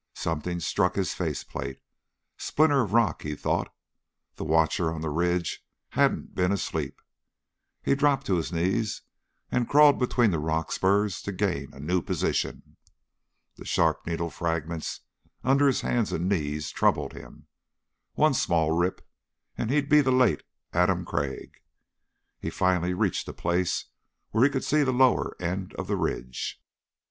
Something struck his face plate. Splinter of rock, he thought. The watcher on the ridge hadn't been asleep. He dropped to his knees and crawled between the rock spurs to gain a new position. The sharp needle fragments under his hands and knees troubled him. One small rip and he'd be the late Adam Crag. He finally reached a place where he could see the lower end of the ridge.